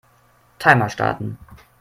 Timer starten.